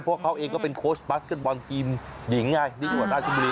เพราะเขาเองก็เป็นโค้ชบาสเก็ตบอลทีมหญิงไงที่จังหวัดราชบุรี